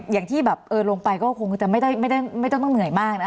อย่างที่ลงไปก็คงไม่ต้องเหนื่อยมาก